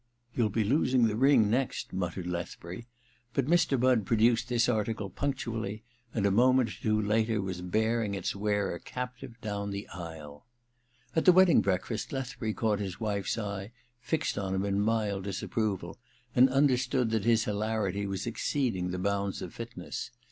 * You'll be losing the ring next,' muttered Lethbury ; but Mr. Budd produced this article punctually, and a moment or two later was bearing its wearer captive down the aisle. At the wedding breakfast Lethbury caught his wife's eye fixed on him in mild disapproval, and understood that his hilarity was exceeding the bounds of fitness.